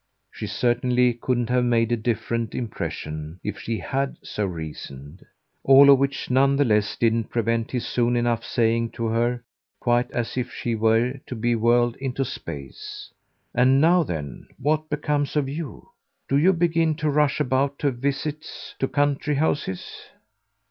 She certainly couldn't have made a different impression if she HAD so reasoned. All of which, none the less, didn't prevent his soon enough saying to her, quite as if she were to be whirled into space: "And now, then, what becomes of you? Do you begin to rush about on visits to country houses?"